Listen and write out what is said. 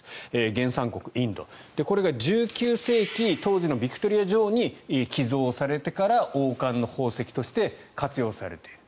原産国、インドこれが１９世紀当時のヴィクトリア女王に寄贈されてから王冠の宝石として活用されている。